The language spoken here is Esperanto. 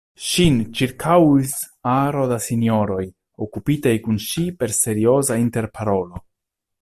Ŝin ĉirkaŭis aro da sinjoroj, okupitaj kun ŝi per serioza interparolo.